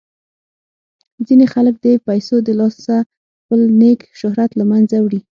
ځینې خلک د پیسو د لاسه خپل نیک شهرت له منځه وړي.